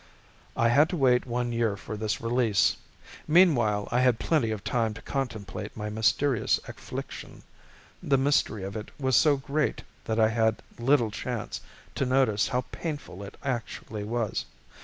I had to wait one year for this release. Meanwhile I had plenty of time to contemplate my mysterious affliction; the mystery of it was so great that I had little chance to notice how painful it actually was.